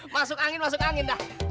masuk angin masuk angin dah